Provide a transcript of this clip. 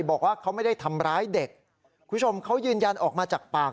บอกว่าเขาไม่ได้ทำร้ายเด็กคุณผู้ชมเขายืนยันออกมาจากปาก